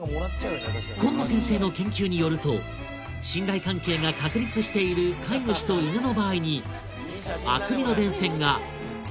今野先生の研究によると信頼関係が確立している飼い主と犬の場合にいい写真だね